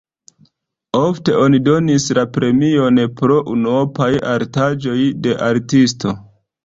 Ofte oni donis la premion pro unuopaj artaĵoj de artisto.